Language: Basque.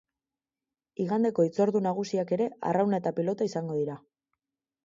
Igandeko hitzordu nagusiak ere arrauna eta pilota izango dira.